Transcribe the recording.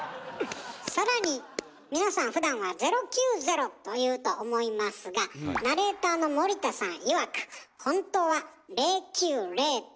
更に皆さんふだんは「０９０」と言うと思いますがナレーターの森田さんいわくえ？